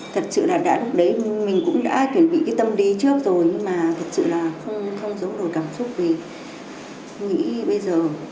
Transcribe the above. thật sự là đã lúc đấy mình cũng đã tuyển vị cái tâm lý trước rồi nhưng mà thật sự là không giấu đổi cảm xúc vì nghĩ bây giờ